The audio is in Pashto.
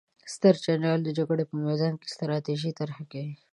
ستر جنرال د جګړې په میدان کې ستراتیژي طرحه کوي.